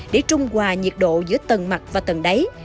để trung hòa nhiệt độ giữa tầng mặt và tầng đáy